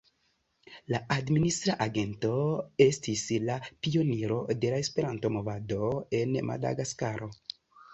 La administra agento estis la pioniro de la Esperanto-Movado en Madagaskaro.